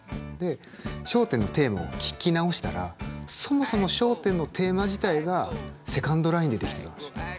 で「笑点のテーマ」を聴き直したらそもそも「笑点のテーマ」自体がセカンド・ラインで出来てたんですよ。